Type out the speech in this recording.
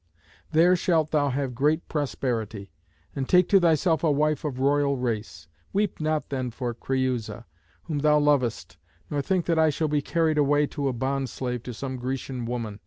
There shalt thou have great prosperity, and take to thyself a wife of royal race. Weep not then for Creüsa, whom thou lovest, nor think that I shall be carried away to be a bond slave to some Grecian woman.